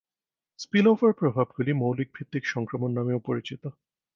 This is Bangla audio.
স্পিলওভার প্রভাবগুলি মৌলিক-ভিত্তিক সংক্রমণ নামেও পরিচিত।